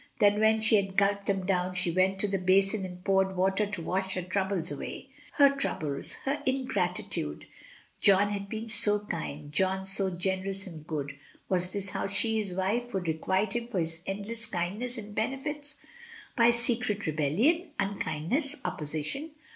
Then when she had gulped them down she went to the basin and poured water to wash her troubles away — her troubles — her ingratitude! John who has been so kind, John so generous and good, was this how she, his wife, should requite him for his endless kindness and benefits? By secret re bellion, unkindness, opposition?